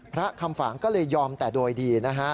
พระคำฝางก็เลยยอมแต่โดยดีนะฮะ